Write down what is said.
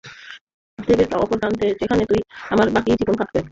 পৃথিবীর অপর প্রান্তে, যেখানে তুমি তোমার বাকি জীবন কাটাবে।